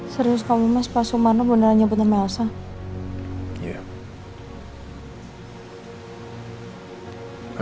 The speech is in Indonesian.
serius kamu mas pak sumarno beneran nyebut nama elsa